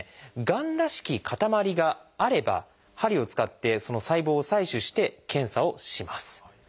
がんらしき塊があれば針を使ってその細胞を採取して検査をします。